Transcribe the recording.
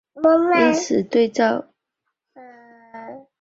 因此建立对照用实验组并进行对照检验极其重要。